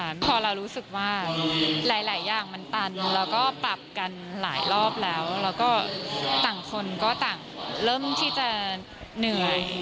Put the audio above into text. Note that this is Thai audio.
พอเรารู้สึกว่าหลายอย่างมันตันแล้วก็ปรับกันหลายรอบแล้วแล้วก็ต่างคนก็ต่างเริ่มที่จะเหนื่อย